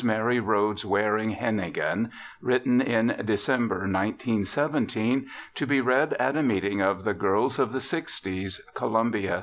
MARY RHODES (WARING) HENAGAN (_Written in December, 1917, to be Read at a Meeting of The Girls of the Sixties, Columbia, S.